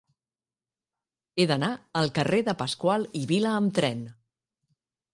He d'anar al carrer de Pascual i Vila amb tren.